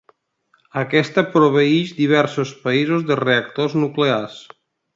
Aquesta proveeix diversos països de reactors nuclears.